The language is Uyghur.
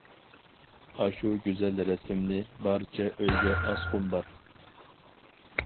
ئاشۇ گۈزەل رەسىمنى، بارچە ئۆيگە ئاسقۇم بار.